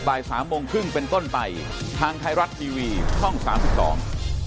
บ่ายสามโมงครึ่งเป็นต้นไปทางไทยรัฐทีวีช่องสามสิบสอง